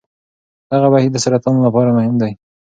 دغه بهیر د سرطان لپاره مهم دی.